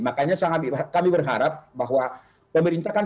makanya sangat kami berharap bahwa pemerintah kan